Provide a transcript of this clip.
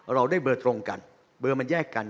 เราได้เบอร์ตรงกันเบอร์มันแยกกัน